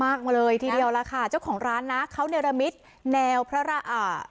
มาเลยทีเดียวล่ะค่ะเจ้าของร้านนะเขาเนรมิตแนวพระอ่า